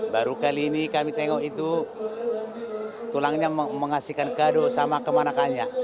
baru kali ini kami tengok itu tulangnya mengasihkan kado sama kemanakannya